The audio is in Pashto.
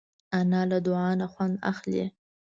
انا له دعا نه خوند اخلي